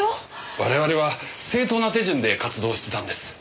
我々は正当な手順で活動してたんです。